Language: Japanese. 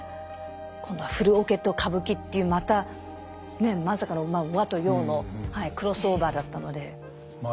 今度はフルオケと歌舞伎っていうまたまさかの和と洋のクロスオーバーだったので。